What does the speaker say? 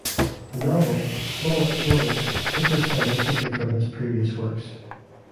The novel, Smollett's shortest, differs stylistically from his previous works.